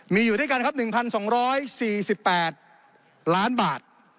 มีอยู่ด้วยกันครับ๑๒๔๘ล้านบาท